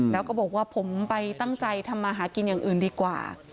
แล้วก็บอกว่าผมไปตั้งใจทำมาหากินอย่างอื่นดีกว่า